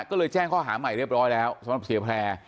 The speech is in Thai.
ก็เลยแจ้งข้อหาใหม่เรียบร้อยแล้วสำหรับเสียแพร่